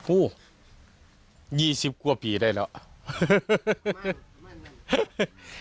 อุ้ว๒๐กว่าปีได้แล้ว